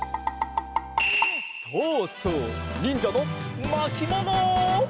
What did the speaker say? そうそうにんじゃのまきもの！